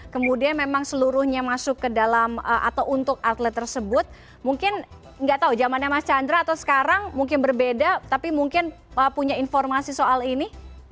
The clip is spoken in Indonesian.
kemudian memang seluruhnya masuk ke dalam atau untuk atlet tersebut mungkin nggak tahu zamannya mas chandra atau sekarang mungkin berbeda tapi mungkin punya informasi soal ini